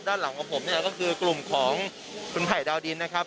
ด้านหลังของผมเนี่ยก็คือกลุ่มของคุณไผ่ดาวดินนะครับ